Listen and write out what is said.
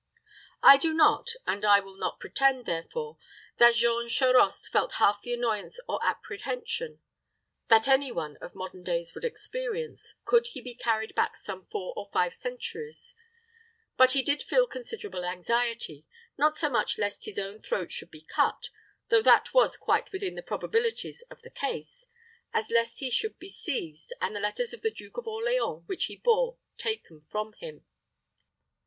I do not, and I will not pretend, therefore, that Jean Charost felt half the annoyance or apprehension that any one of modern days would experience, could he be carried back some four or five centuries; but he did feel considerable anxiety, not so much lest his own throat should be cut, though that was quite within the probabilities of the case, as lest he should be seized, and the letters of the Duke of Orleans which he bore taken from him.